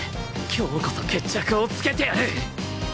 今日こそ決着をつけてやる！